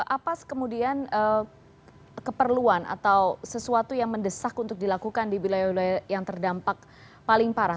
apa kemudian keperluan atau sesuatu yang mendesak untuk dilakukan di wilayah wilayah yang terdampak paling parah